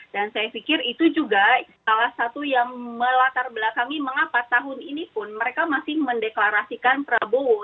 dan saya pikir itu juga salah satu yang melatar belakang ini mengapa tahun ini pun mereka masih mendeklarasikan prabowo